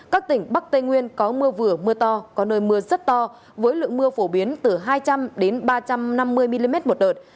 các tỉnh bắc tây nguyên có mưa vừa mưa to có nơi mưa rất to với lượng mưa phổ biến từ hai trăm linh ba trăm năm mươi mm một đợt